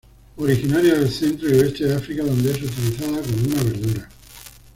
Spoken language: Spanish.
Originaria del centro y oeste de África, donde es utilizada como una verdura.